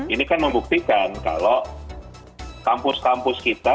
ini kan membuktikan kalau kampus kampus kita